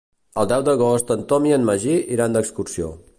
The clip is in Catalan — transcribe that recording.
El deu d'agost en Tom i en Magí iran d'excursió.